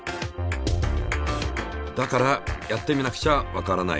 だからやってみなくちゃわからない。